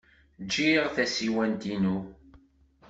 Ǧǧiɣ tasiwant-inu.